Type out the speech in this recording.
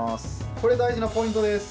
これ大事なポイントです。